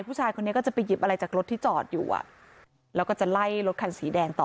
ผู้ชายคนนี้ก็จะไปหยิบอะไรจากรถที่จอดอยู่อ่ะแล้วก็จะไล่รถคันสีแดงต่อ